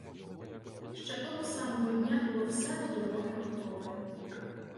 Ще того самого дня було все до дороги готове.